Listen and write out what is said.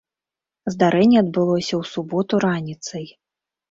Здарэнне адбылося ў суботу раніцай.